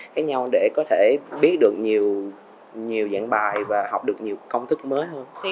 khác nhau để có thể biết được nhiều dạng bài và học được nhiều công thức mới hơn